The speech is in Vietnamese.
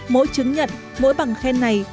mỗi chứng nhận mỗi bằng khen này